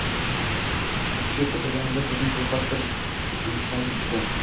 tushib oʻtirganimda koʻzim bexos bir chumoliga tushdi